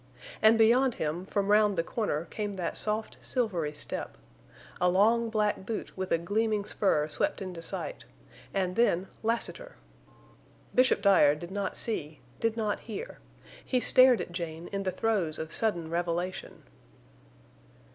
And beyond him, from round the corner came that soft, silvery step. A long black boot with a gleaming spur swept into sight—and then Lassiter! Bishop Dyer did not see, did not hear: he stared at Jane in the throes of sudden revelation.